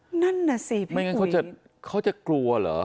ใช่น่ะสิพี่กุศิไม่อย่างนั้นเขาจะกลัวเหรอ